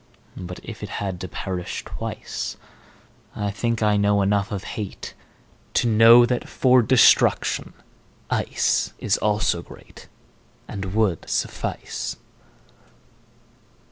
But if it had to perish twice,I think I know enough of hateTo know that for destruction iceIs also greatAnd would suffice.